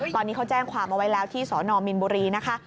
ตอนนี้เขาแจ้งความเอาไว้แล้วที่สนมินบุรีนะคะ